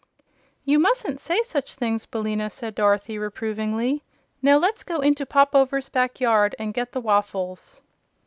"You musn't say such things, Billina," said Dorothy, reprovingly. "Now let's go into Pop Over's back yard and get the waffles."